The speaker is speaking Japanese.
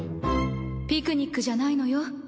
ピクニックじゃないのよ。